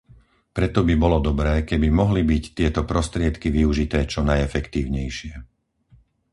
Preto by bolo dobré, keby mohli byť tieto prostriedky využité čo najefektívnejšie.